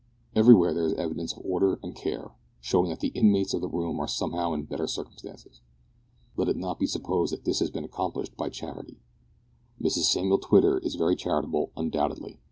Everywhere there is evidence of order and care, showing that the inmates of the room are somehow in better circumstances. Let it not be supposed that this has been accomplished by charity. Mrs Samuel Twitter is very charitable, undoubtedly.